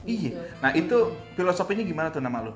iya nah itu filosofinya gimana tuh nama lo